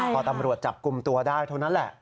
พอตำรวจจับกลุ่มตัวได้เท่านั้นแหละ